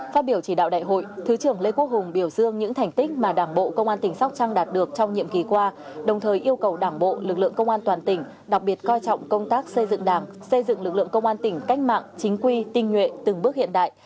phát biểu chỉ đạo đại hội thứ trưởng lê quốc hùng biểu dương những thành tích mà đảng bộ công an tỉnh sóc trăng đạt được trong nhiệm kỳ qua đồng thời yêu cầu đảng bộ lực lượng công an toàn tỉnh đặc biệt coi trọng công tác xây dựng đảng xây dựng lực lượng công an tỉnh cách mạng chính quy tinh nguyện từng bước hiện đại